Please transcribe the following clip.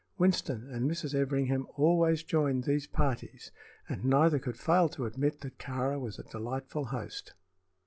Winston and Mrs. Everingham always joined these parties, and neither could fail to admit that Kāra was a delightful host.